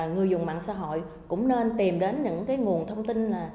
người dùng mạng xã hội cũng nên tìm đến những nguồn thông tin